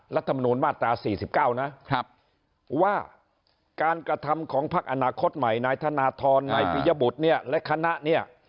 รัฐมนูลมาตรา๔๙นะว่าการกระทำของภักดิ์อนาคตใหม่ทนาทรปียบุตรและคณะ